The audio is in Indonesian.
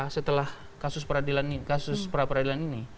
setelah kasus peradilan ini